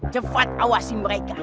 cepat awasi mereka